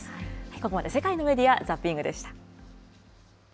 ここまで世界のメディア・ザッピングでした。